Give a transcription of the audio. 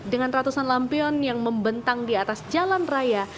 dengan ratusan lampion yang membentang di atas jalan raya